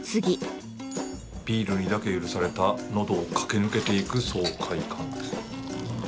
ビールにだけ許された喉を駆け抜けていく爽快感です。